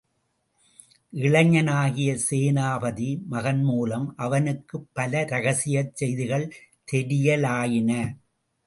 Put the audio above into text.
இளைஞனாகிய சேனாபதி மகன் மூலம், அவனுக்குப் பல இரகசியச் செய்திகள் தெரியலாயின.